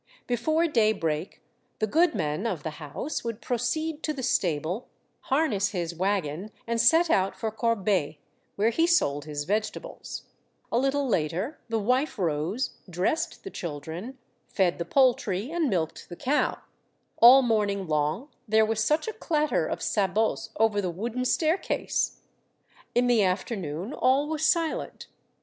Before day break, the goodman of the house would proceed to the stable, harness his wagon, and set out for Corbeil, where he sold his vegetables ; a little later the wife rose, dressed the children, fed the poul try, and milked the cow ; all morning long there was such a clatter of sabots over the wooden stair case ! In the afternoon all was silent.